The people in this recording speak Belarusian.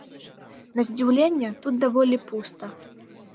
На здзіўленне, тут даволі пуста.